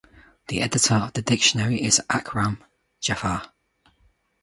The editor of the dictionary is Akram Jafar.